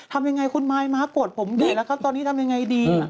ทำยังไงคุณมายม้าโกรธผมดีแล้วครับตอนนี้ทำยังไงดี